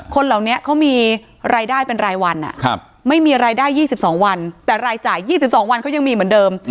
คนเหล่านี้เขามีรายได้เป็นรายวันไม่มีรายได้๒๒วันแต่รายจ่าย๒๒วันเขายังมีเหมือนเดิม